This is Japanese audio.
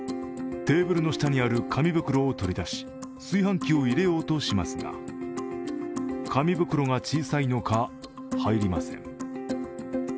テーブルの下にある紙袋を取り出し、炊飯器を入れようとしますが紙袋が小さいのか入りません。